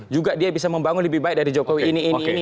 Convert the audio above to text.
juga dia bisa membangun lebih baik dari jokowi ini ini